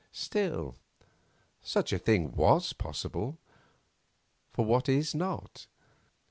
Still, such a thing was possible, for what is not?